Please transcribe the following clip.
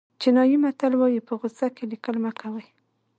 چینایي متل وایي په غوسه کې لیکل مه کوئ.